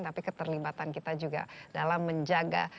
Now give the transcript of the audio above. tapi keterlibatan kita juga dalam menjaga